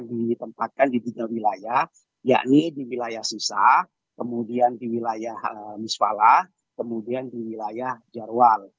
ditempatkan di tiga wilayah yakni di wilayah sisa kemudian di wilayah miswala kemudian di wilayah jarwal